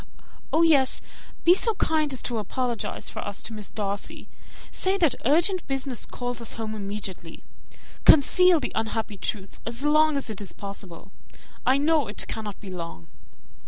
"Oh, yes! Be so kind as to apologize for us to Miss Darcy. Say that urgent business calls us home immediately. Conceal the unhappy truth as long as it is possible. I know it cannot be long."